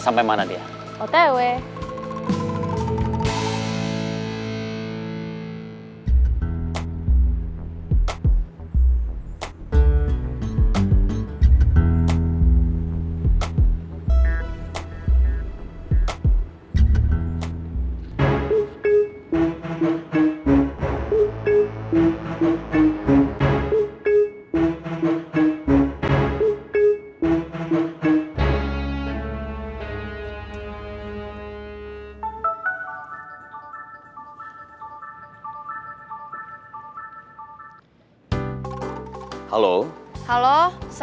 saya malas menerima telpon